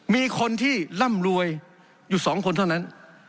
มีคนที่ร่ำรวยอยู่๒คนเท่านั้น